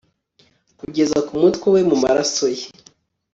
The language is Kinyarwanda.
kugeza ku mutwe we mu maraso ye